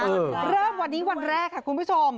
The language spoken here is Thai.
เริ่มวันนี้วันแรกค่ะคุณผู้ชม